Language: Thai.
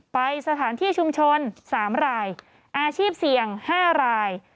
ไปสถานที่ชุมชน๓รายอาชีพเสี่ยง๕ราย